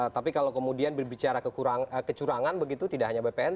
tapi kalau kemudian berbicara kecurangan begitu tidak hanya bpn